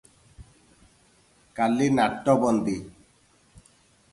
କାଲି ନାଟବନ୍ଦି ।"